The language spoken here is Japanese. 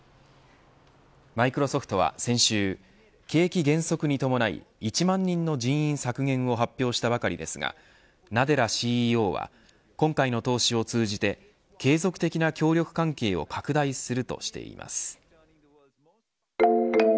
マイクロソフトは先週景気減速に伴い１万人の人員削減を発表したばかりですがナデラＣＥＯは今回の投資を通じて継続的な協力関係を拡大するとしています。